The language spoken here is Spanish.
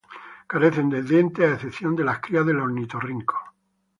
Carecen de dientes a excepción de las crías del ornitorrinco.